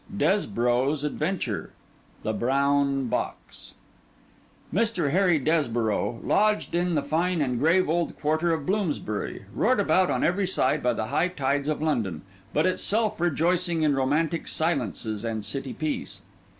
DESBOROUGH'S ADVENTURE THE BROWN BOX Mr. Harry Desborough lodged in the fine and grave old quarter of Bloomsbury, roared about on every side by the high tides of London, but itself rejoicing in romantic silences and city peace.